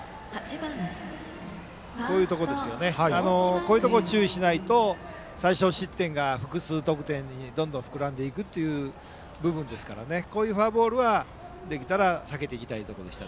こういうところを注意しないと最少失点が複数得点にどんどん膨らんでいくという部分ですからこういうフォアボールはできたら避けていきたいところでした。